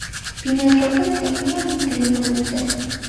ბინადრობდა ტენიან მდელოებზე.